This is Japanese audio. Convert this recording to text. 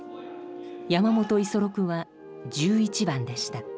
山本五十六は１１番でした。